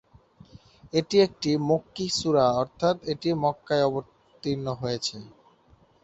এটি একটি মক্কী সূরা অর্থ্যাৎ এটি মক্কায় অবতীর্ণ হয়েছে।